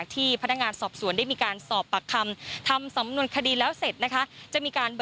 ขอโทษครับ